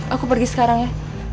aku pergi sekarang ya